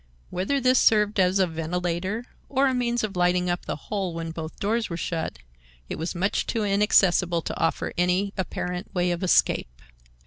Whether this served as a ventilator, or a means of lighting up the hole when both doors were shut, it was much too inaccessible to offer any apparent way of escape.